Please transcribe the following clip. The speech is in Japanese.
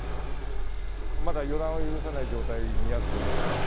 まだ予断を許さない状態にあると思ってます。